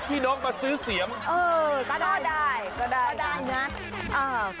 มอลำคลายเสียงมาแล้วมอลำคลายเสียงมาแล้ว